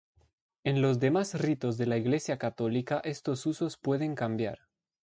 En los demás ritos de la Iglesia católica estos usos pueden cambiar.